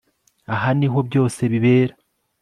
Aha niho byose bibera